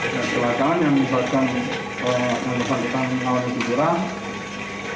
dan kecelakaan yang membuatkan penyelamatkan penyelamatkan penyelamatkan penyelamatkan penyelamatkan penyelamatkan